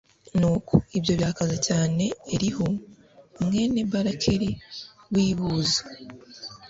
nuko, ibyo birakaza cyane elihu mwene barakeli w'i buzi